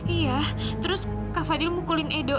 iya terus kak fadil mukulin edo